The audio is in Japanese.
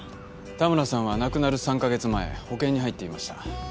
田村さんは亡くなる３か月前保険に入っていました。